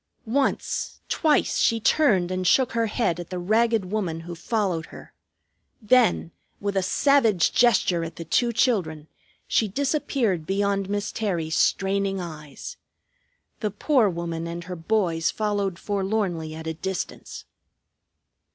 Once, twice, she turned and shook her head at the ragged woman who followed her. Then, with a savage gesture at the two children, she disappeared beyond Miss Terry's straining eyes. The poor woman and her boys followed forlornly at a distance.